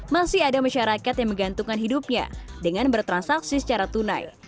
masih ada masyarakat yang menggantungkan hidupnya dengan bertransaksi secara tunai